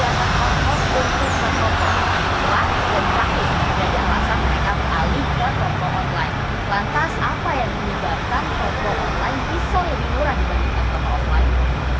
lantas apa yang menyebabkan kontrol online bisa lebih murah dibandingkan kontrol online